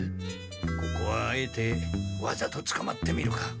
ここはあえてわざとつかまってみるか。